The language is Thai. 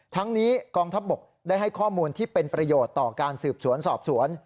ทั้งนี้กองทัพบกได้ให้ข้อมูลที่เป็นประโยชน์ต่อการสืบสวนสอบสวน